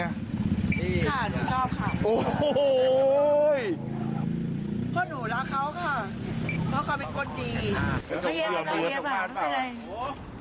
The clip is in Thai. ค่ะหนูชอบค่ะโอ้โหพอหนูรักเขาค่ะเพราะเขาก็เป็นคนดี